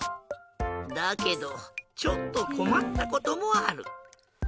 だけどちょっとこまったこともある。